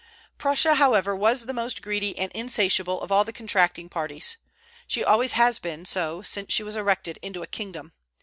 Prussia, however, was the most greedy and insatiable of all the contracting parties. She always has been so since she was erected into a kingdom.